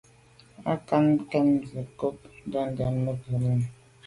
Â kɑ̂nə̄ ncóp zə mə̄ côb ndɛ̂mbə̄ mə̄ gə̀ rə̌ mùní.